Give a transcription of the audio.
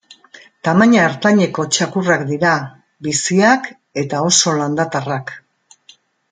Tamaina ertaineko txakurrak dira, biziak eta oso landatarrak.